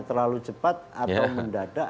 terlalu cepat atau mendadak